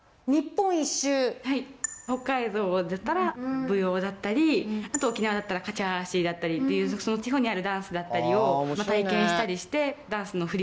北海道だったら舞踊だったりあと沖縄だったらカチャーシーだったりっていうその地方にあるダンスだったりを。